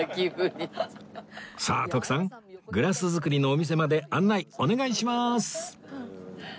さあ徳さんグラス作りのお店まで案内お願いします